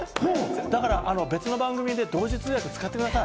だから別の番組で同時通訳、使ってください。